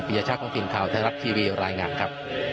ยชาติของทีมข่าวไทยรัฐทีวีรายงานครับ